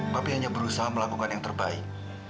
tapi hanya berusaha melakukan yang terbaik